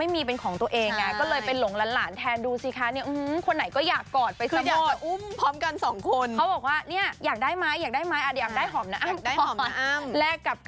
ไม่ใกล้